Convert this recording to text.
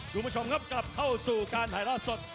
ดูมาชมครับกลับเข้าสู่การไทยล่าสด